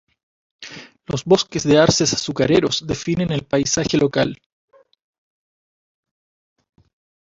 Los bosques de arces azucareros definen el paisaje local.